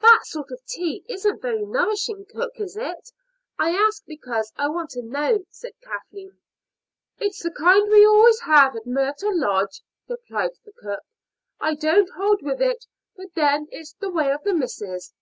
"That sort of tea isn't very nourishing, cook, is it? I ask because I want to know," said Kathleen. "It's the kind we always have at Myrtle Lodge," replied cook. "I don't hold with it, but then it's the way of the missis."